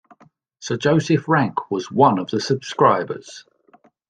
Sir Joseph Rank was one of the subscribers.